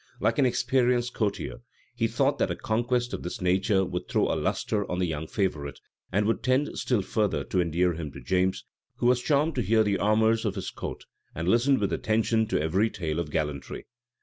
Like an experienced courtier, he thought that a conquest of this nature would throw a lustre on the young favorite, and would tend still further to endear him to James, who was charmed to hear of the amours of his court, and listened with attention to every tale of gallantry.